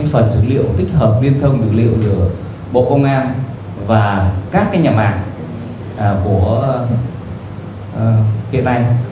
phần dữ liệu tích hợp liên thông dữ liệu giữa bộ công an và các nhà mạng của công an